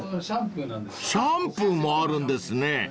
［シャンプーもあるんですね］